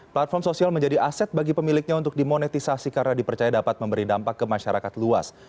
platform sosial menjadi aset bagi pemiliknya untuk dimonetisasi karena dipercaya dapat memberi dampak ke masyarakat luas